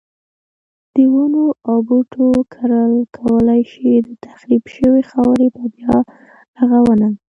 د ونو او بوټو کرل کولای شي د تخریب شوی خاورې په بیا رغونه.